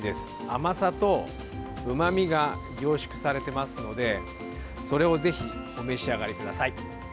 甘さとうまみが凝縮されてますのでそれをぜひお召し上がりください。